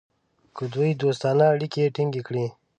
که دوی دوستانه اړیکې ټینګ کړي.